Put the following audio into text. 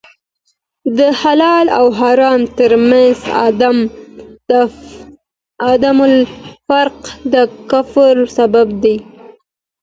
د حلال اوحرام تر منځ عدم الفرق د کفر سبب دی.